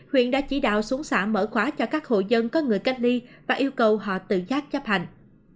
huyện đã chỉ đạo xuống xã mở khóa cho các hộ dân có người cách ly và yêu cầu họ tự giác chấp hành